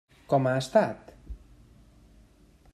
Com ha estat?